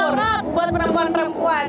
semangat buat perempuan perempuan